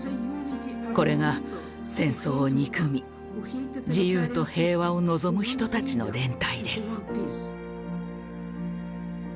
これが戦争を憎み自由と平和を望む人たちの連帯です。